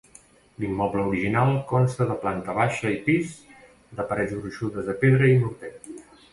L'immoble original consta de planta baixa i pis, de parets gruixudes de pedra i morter.